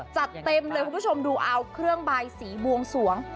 จัดเต็มเลยคุณผู้ชมดูเอาเครื่องบายสีบวงสวง